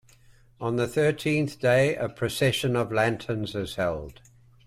On the thirteenth day, a procession of lanterns is held.